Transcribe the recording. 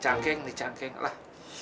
cangkeng nih cangkeng lah